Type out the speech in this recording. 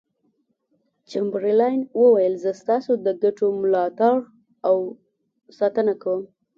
چمبرلاین وویل زه ستاسو د ګټو ملاتړ او ساتنه کوم.